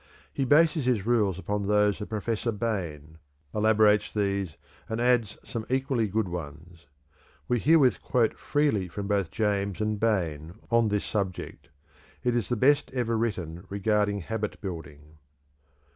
He bases his rules upon those of Professor Bain, elaborates these, and adds some equally good ones. We herewith quote freely from both James and Bain on this subject; it is the best ever written regarding habit building.